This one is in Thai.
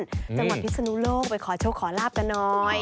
จังหวัดพิศนุโลกไปขอโชคขอลาบกันหน่อย